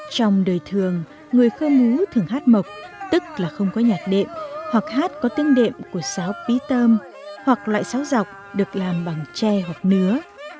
trong đời thường người khơ mú thường hát mộc tức là không có nhạc đệm hoặc hát có tiếng đệm của sáo pí tôm hoặc loại sáo dọc được làm bằng tre hoặc nứa